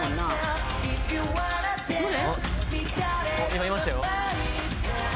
今いましたよ。